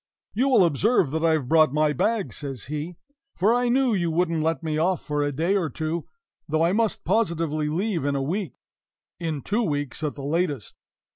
"You will observe that I have brought my bag," says he, "for I knew you wouldn't let me off for a day or two though I must positively leave in a week in two weeks, at the latest.